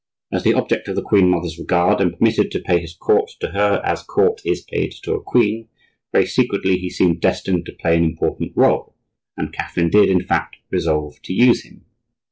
As the object of the queen mother's regard, and permitted to pay his court to her as court is paid to a queen, very secretly, he seemed destined to play an important role, and Catherine did, in fact, resolve to use him.